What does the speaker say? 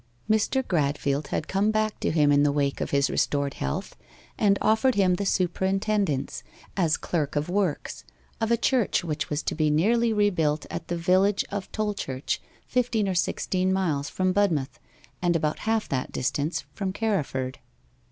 Mr. Gradfield had come back to him in the wake of his restored health, and offered him the superintendence, as clerk of works, of a church which was to be nearly rebuilt at the village of Tolchurch, fifteen or sixteen miles from Budmouth, and about half that distance from Carriford.